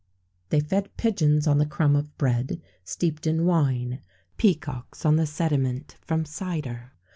They fed pigeons on the crumb of bread, steeped in wine; peacocks on the sediment from cider.